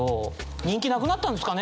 人気なくなったんですかね？